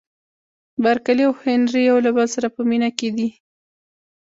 بارکلي او هنري یو له بل سره په مینه کې دي.